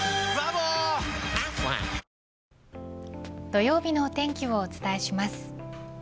土曜日のお天気をお伝えします。